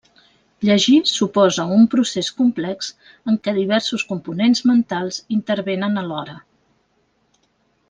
Llegir suposa un procés complex en què diversos components mentals intervenen alhora.